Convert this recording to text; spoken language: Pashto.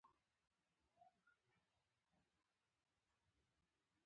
میرویس خان اتو کالو پورې د کندهار مشرتوب په غاړه درلود.